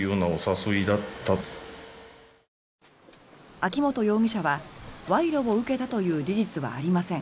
秋本容疑者は賄賂を受けたという事実はありません